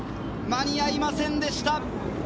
間に合いませんでした。